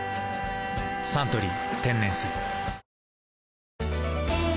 「サントリー天然水」